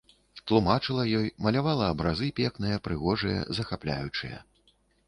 Тлумачыла ёй, малявала абразы пекныя, прыгожыя, захапляючыя.